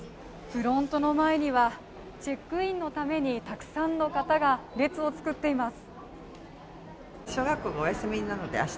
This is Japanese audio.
フロントの前にはチェックインのためにたくさんの方が列を作っています。